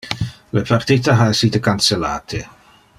Le partita ha essite cancellate.